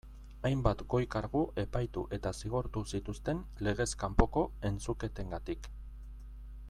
Hainbat goi kargu epaitu eta zigortu zituzten legez kanpoko entzuketengatik.